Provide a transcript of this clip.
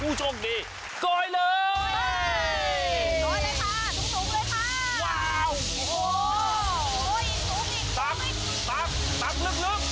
โอ้โฮได้หรือยัง